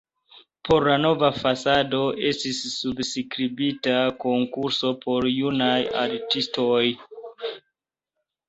Por la nova fasado estis subskribita konkurso por junaj artistoj.